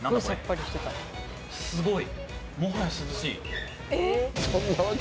すごい。